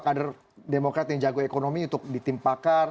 kader demokrat yang jago ekonomi untuk ditimpakan